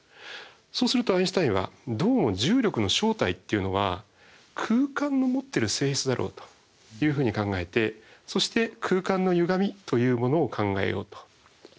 そうするとアインシュタインはどうも重力の正体っていうのは空間の持ってる性質だろうというふうに考えてそして空間のゆがみというものを考えようというふうにしたわけですね。